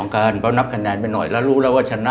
ก็เปรี้ยวปากกัน